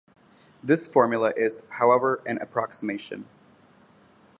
This formula is however an approximation.